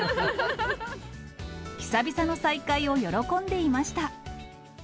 久々の再会を喜んでいました。